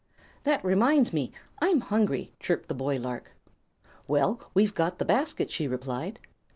"That reminds me I'm hungry," chirped the boy lark. "Well, we've got the basket," she replied.